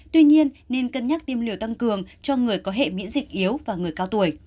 tuy nhiên nên cân nhắc tiêm liều tăng cường cho người có hệ miễn dịch yếu và người cao tuổi